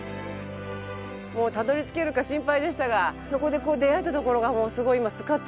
もうたどり着けるか心配でしたがそこで出会えたところがもうすごい今スカッとしてます。